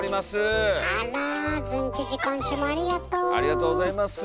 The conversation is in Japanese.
ありがとうございます。